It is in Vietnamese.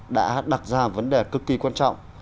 đã đặt ra vấn đề cực kỳ quan trọng